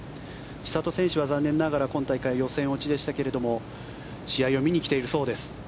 千怜選手は残念ながら今大会予選落ちでしたが試合を見に来ているそうです。